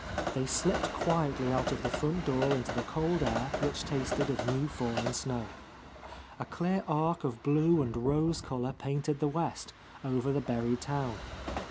They slipped quietly out of the front door into the cold air which tasted of new fallen snow. A clear arc of blue and rose colour painted the west, over the buried town.